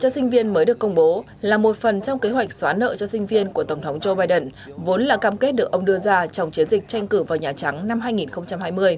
tổng thống joe biden đã được công bố là một phần trong kế hoạch xóa nợ cho sinh viên của tổng thống joe biden vốn là cam kết được ông đưa ra trong chiến dịch tranh cử vào nhà trắng năm hai nghìn hai mươi